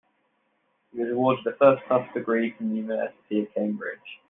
He was awarded a first-class degree from the University of Cambridge